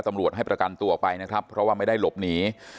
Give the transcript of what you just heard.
ตำรวจให้ประกันตัวไปเพราะไม่ได้ลบหนี